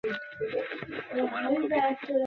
কুমু তার জবাব দিয়েছে, সে যাবে না।